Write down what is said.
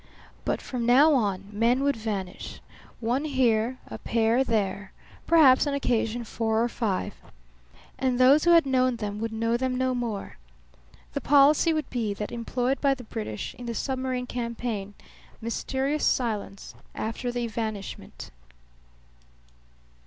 But from now on men would vanish one here, a pair there, perhaps on occasion four or five. And those who had known them would know them no more. The policy would be that employed by the British in the submarine campaign mysterious silence after the evanishment.